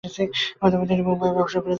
বর্তমানে তিনি মুম্বাইয়ে বসবাস করছেন।